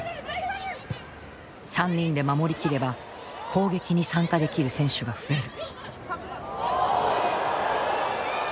３人で守りきれば攻撃に参加できる選手が増える。